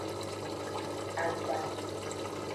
Agba.